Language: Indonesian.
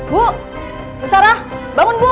bu sarah bangun bu